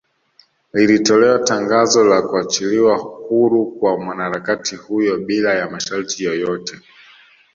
Lilitolewa tangazo la kuachiliwa huru kwa mwanaharakati huyo bila ya masharti yoyote